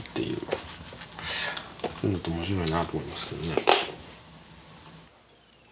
こういうのって面白いなって思いますけどね